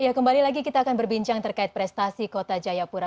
ya kembali lagi kita akan berbincang terkait prestasi kota jayapura